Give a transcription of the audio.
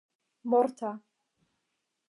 morta